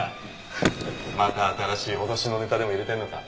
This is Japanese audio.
また新しい脅しのネタでも入れてるのか？